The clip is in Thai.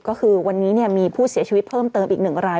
ก็คือวันนี้มีผู้เสียชีวิตเพิ่มเติมอีก๑ราย